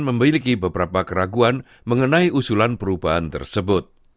memiliki beberapa keraguan mengenai usulan perubahan tersebut